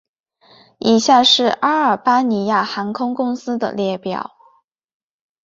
以下是阿尔巴尼亚航空公司的列表